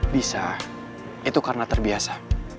bisa itu karena terbiasa